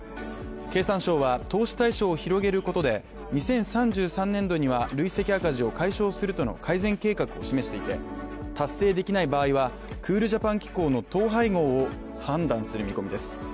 経産省は投資対象を広げることで２０３３年度には累積赤字を解消するとの改善計画を示していて達成できない場合はクールジャパン機構の統廃合を判断する見込みです。